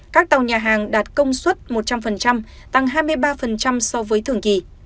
các tàu nhà hàng đạt công suất một trăm linh tăng hai mươi ba so với thường kỳ